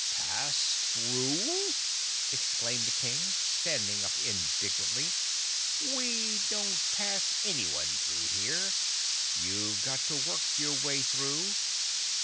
"Pass through!" exclaimed the King, standing up indignantly. "We don't pass anyone through here. You've got to work your way through.